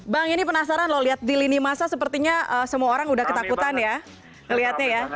bang ini penasaran loh lihat di lini masa sepertinya semua orang sudah ketakutan ya